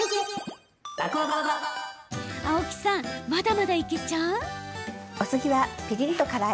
青木さん、まだまだいけちゃう？